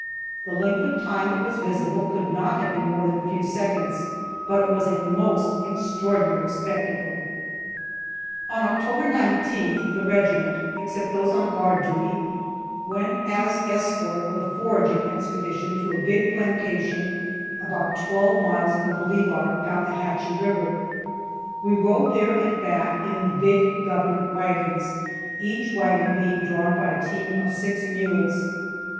The length of time it was visible could not have been more than a few seconds, but it was a most extraordinary spectacle. On October 19th the regiment (except those on guard duty) went as escort of a foraging expedition to a big plantation about twelve miles from Bolivar down the Hatchie river. We rode there and back in the big government wagons, each wagon being drawn by a team of six mules.